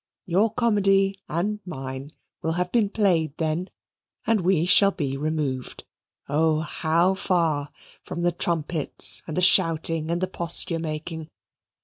Your comedy and mine will have been played then, and we shall be removed, oh, how far, from the trumpets, and the shouting, and the posture making.